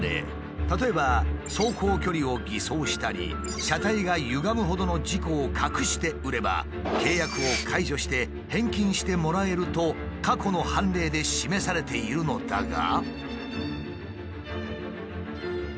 例えば走行距離を偽装したり車体がゆがむほどの事故を隠して売れば契約を解除して返金してもらえると過去の判例で示されているのだが。